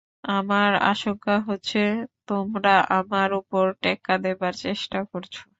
আমার আশঙ্কা হচ্ছে, তোমরা আমার উপর টেক্কা দেবার চেষ্টা করছ।